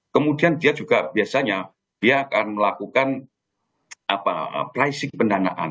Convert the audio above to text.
kemudian dia juga biasanya dia akan melakukan pricing pendanaan